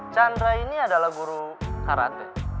chandra ini adalah guru karate